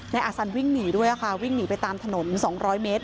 นายอาซันวิ่งหนีด้วยค่ะวิ่งหนีไปตามถนน๒๐๐เมตร